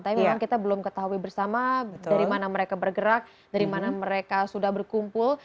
tapi memang kita belum ketahui bersama dari mana mereka bergerak dari mana mereka sudah berkumpul